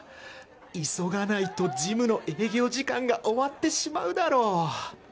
急がないとジムの営業時間が終わってしまうだろ